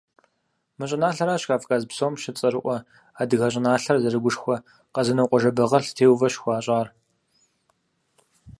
Мы щӏыналъэращ Кавказ псом щыцӏэрыӏуэ, адыгэ щӏыналъэр зэрыгушхуэ Къэзэнокъуэ Жэбагъы лъэтеувэ щыхуащӏар.